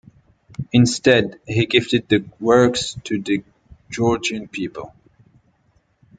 Instead, he gifted the works to the Georgian people.